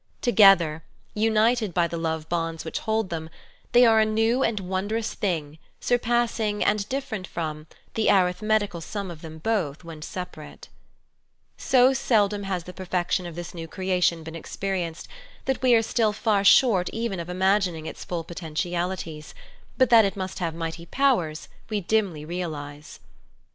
Together, united by the love The Glorious Unfolding i°9 bonds which hold them, they are a new and wondrous thing surpassing, and different from, the arithmetical sum of them both when separate. So seldom has the perfection of this new creation been experienced, that we are still far short even of imagining its full potentialities, but that it must have •mighty powers we dimly realise.